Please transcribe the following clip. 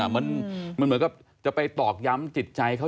มันเหมือนกับจะไปตอกย้ำจิตใจเขา